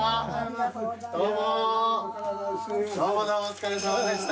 どうもお疲れさまでした。